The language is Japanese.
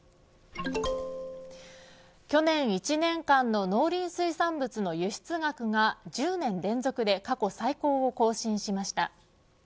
去年１年間の農林水産物の輸出額が１０年連続で過去最高を更新しました。